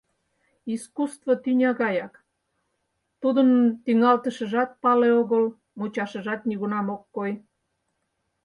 Искусство — тӱня гаяк, тудын тӱҥалтышыжат пале огыл, мучашыжат нигунам ок кой.